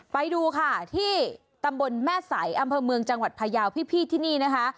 ไปดูค่ะที่ตำบลแม่ใสอำเภอเมืองจังหวัดพยาวพี่ที่นี่นะคะ